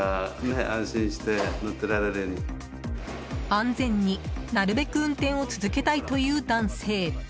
安全になるべく運転を続けたいという男性。